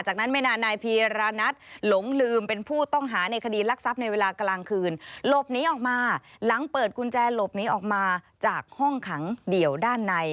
จากนั้นไม่นานนายพีรณัทหลงลืมเป็นผู้ต้องหาในคดีรักทรัพย์ในเวลากลางคืนหลบหนีออกมาหลังเปิดกุญแจหลบหนีออกมาจากห้องขังเดี่ยวด้านใน